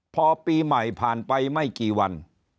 พอปีใหม่ผ่านไปไม่กี่วัน